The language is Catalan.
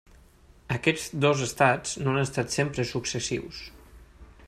Aquests dos estats no han estat sempre successius.